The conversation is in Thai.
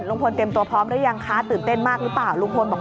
เตรียมตัวพร้อมหรือยังคะตื่นเต้นมากหรือเปล่าลุงพลบอก